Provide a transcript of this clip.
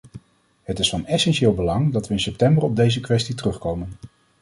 Het is van essentieel belang dat we in september op deze kwestie terugkomen.